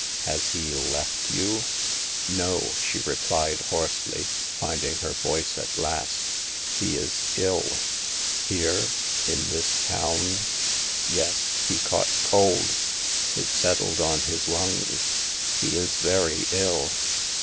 Has he left you ?"No,*' she replied, hoarsely, finding her voice at last. He is ill." * Here — in this town ?"Yes. He caught cold ; it settled on his lungs ; he is very ill."